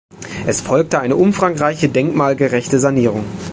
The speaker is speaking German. Es folgte eine umfangreiche denkmalgerechte Sanierung.